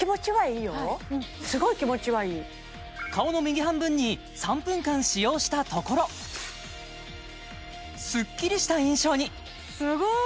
すごい気持ちはいい顔の右半分に３分間使用したところスッキリした印象にすごい！